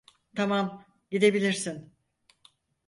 Tamam, gidebilirsin.